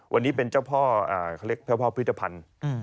วันนี้เป็นเจ้าพ่อเขาเรียกเจ้าพ่อพิธภัณฑ์